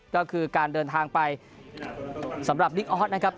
ก็คือการเดินทางไปสำหรับบิ๊กออสนะครับ